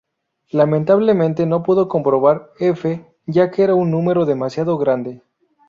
Lamentablemente, no pudo comprobar F ya que era un número demasiado grande.